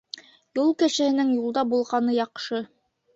Юл кешеһенең юлда булғаны яҡшы.